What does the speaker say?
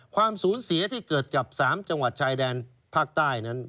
ความสูญเสียที่เกิดกับ๓จังหวัดชายแดนภาคใต้นั้น